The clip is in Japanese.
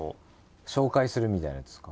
紹介するみたいなやつですか？